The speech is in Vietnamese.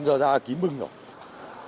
năm giờ ra là kín bưng rồi